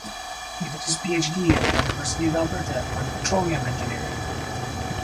He did his PhD at the University of Alberta on Petroleum Engineering.